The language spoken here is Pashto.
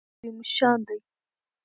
قران عظیم الشان دئ.